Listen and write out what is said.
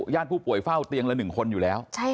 ญาติผู้ป่วยเฝ้าเตียงละ๑คนอยู่แล้ว